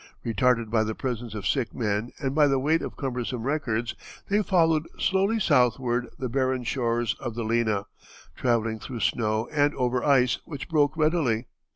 Retarded by the presence of sick men and by the weight of cumbersome records, they followed slowly southward the barren shores of the Lena, travelling through snow and over ice which broke readily.